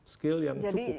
skill yang cukup